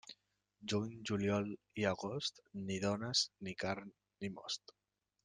Juny, juliol i agost, ni dones, ni carn, ni most.